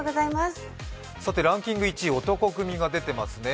ランキング１位、男闘呼組が出ていますね。